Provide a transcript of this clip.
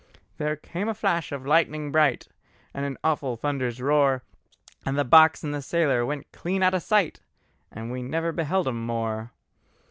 There came a flash of lightning bright, And an awful thunder's roar, And the box and the sailor went clean out o' sight, And we never beheld 'em more.